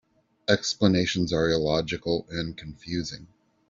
Explanations are illogical and confusing.